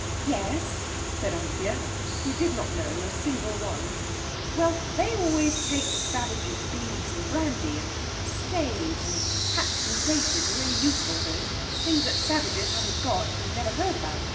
"Yes," said Anthea, who did not know a single one. "Well, they always take the savages beads and brandy, and stays, and hats, and braces, and really useful things—things the savages haven't got, and never heard about.